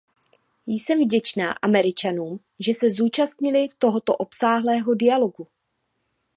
Jsem vděčná Američanům, že se zúčastnili tohoto obsáhlého dialogu.